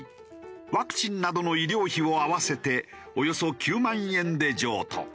ワクチンなどの医療費を合わせておよそ９万円で譲渡。